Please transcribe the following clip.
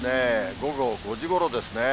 午後５時ごろですね。